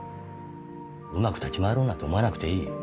うまく立ち回ろうなんて思わなくていい。